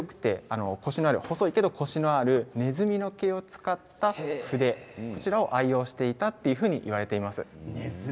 細いけどコシのあるねずみの毛を使った筆を愛用していたといわれています。